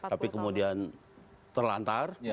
tapi kemudian terlantar